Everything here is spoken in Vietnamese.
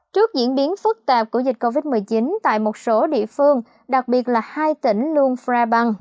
trước diễn biến phức tạp của dịch covid một mươi chín tại một số địa phương đặc biệt là hai tỉnh luân phra bang